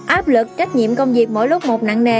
áp lực trách nhiệm công việc mỗi lúc một nặng nề